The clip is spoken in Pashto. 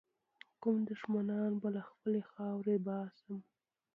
کوم دښمنان به له خپلي خاورې باسم.